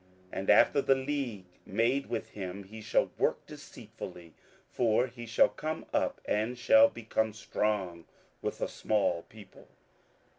27:011:023 And after the league made with him he shall work deceitfully: for he shall come up, and shall become strong with a small people.